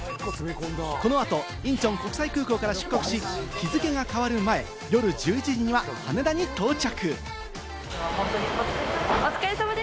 この後、インチョン国際空港から出国し、日付が変わる前、夜１１時には羽田に到着。